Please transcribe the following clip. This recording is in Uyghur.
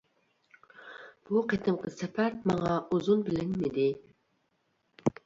بۇ قېتىمقى سەپەر ماڭا ئۇزۇن بىلىنمىدى.